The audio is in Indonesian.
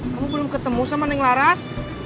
kamu belum ketemu sama neng laras